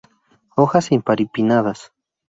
Hojas imparipinnadas.